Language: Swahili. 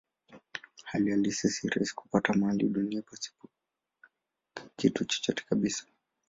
Hali halisi si rahisi kupata mahali duniani pasipo kitu chochote kabisa.